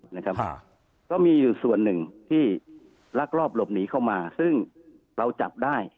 นะครับก็มีอยู่ส่วนหนึ่งที่ลักลอบหลบหนีเข้ามาซึ่งเราจับได้